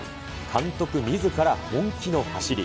監督みずから本気の走り。